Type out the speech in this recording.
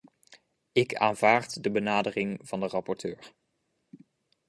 Ik aanvaard de benadering van de rapporteur.